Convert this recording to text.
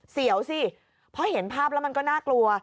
เสียวสิเพราะเห็นภาพแล้วมันก็น่ากลัว